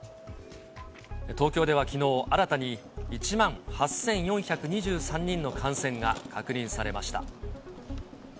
東京ではきのう、新たに１万８４２３人の感染が確認されました。